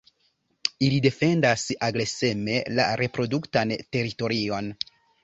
Ili defendas agreseme la reproduktan teritorion.